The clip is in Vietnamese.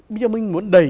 bây giờ mình muốn đẩy